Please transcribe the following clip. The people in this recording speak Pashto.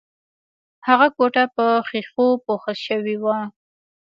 هغه کوټه په ښیښو پوښل شوې وه